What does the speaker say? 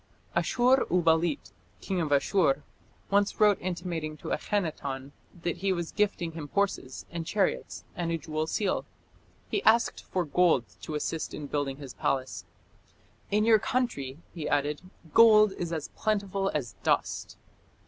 Ashur uballit, king of Ashur, once wrote intimating to Akhenaton that he was gifting him horses and chariots and a jewel seal. He asked for gold to assist in building his palace. "In your country", he added, "gold is as plentiful as dust."